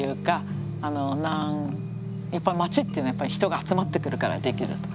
やっぱり街っていうのは人が集まってくるからできると。